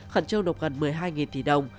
khẩn trương nộp gần một mươi hai tỷ đồng